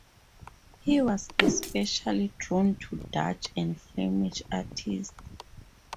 He was especially drawn to Dutch and Flemish artists.